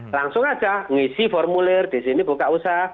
langsung saja mengisi formulir di sini buka usaha